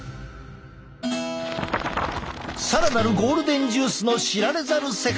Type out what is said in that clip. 更なるゴールデンジュースの知られざる世界！